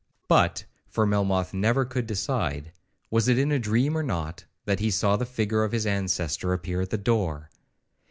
But (for Melmoth never could decide) was it in a dream or not, that he saw the figure of his ancestor appear at the door?